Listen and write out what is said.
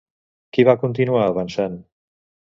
Qui va continuar avançant?